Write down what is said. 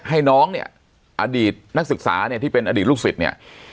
ให้น้องเนี่ยอดีตนักศึกษาเนี่ยที่เป็นอดีตลูกศิษย์เนี่ย